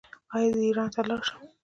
ایا زه ایران ته لاړ شم؟